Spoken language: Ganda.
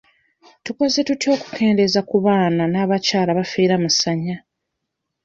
Tukoze tutya okukendeeza ku baana n'abakyala abafiira mu ssanya?